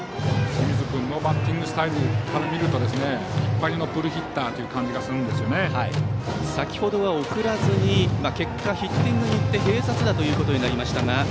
清水君のバッティングスタイルから見ると引っ張りのプルヒッターという先程は送らずに結果、ヒッティングに行って併殺打となりました。